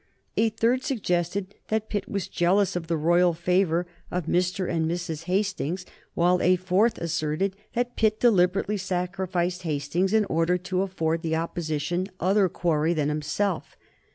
A third suggested that Pitt was jealous of the royal favor to Mr. and Mrs. Hastings; while a fourth asserted that Pitt deliberately sacrificed Hastings in order to afford the Opposition other quarry than himself.